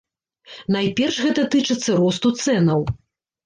Найперш гэта тычыцца росту цэнаў.